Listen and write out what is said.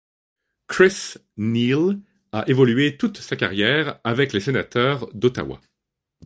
Chris Neil a évolué toute sa carrière avec les Sénateurs d'Ottawa.